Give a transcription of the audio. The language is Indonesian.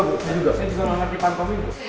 saya juga gak ngerti pantomi